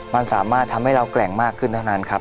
มันสามารถทำให้เราแกร่งมากขึ้นเท่านั้นครับ